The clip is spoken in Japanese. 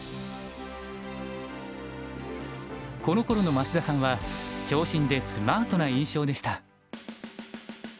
このころの増田さんは長身でスマートな印象でした。